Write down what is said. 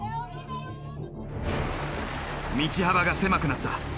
道幅が狭くなった。